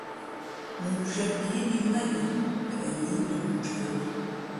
Mʉnzhwē bií lǐ mά yi peʼ nǐ ndom ncwen lά ?